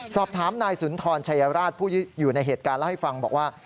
สอบถามนายสุนทรชัยราชผู้อยู่ในเหตุการณ์เล่าให้ฟังบอกว่า